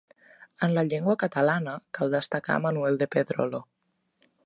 En llengua catalana, cal destacar Manuel de Pedrolo.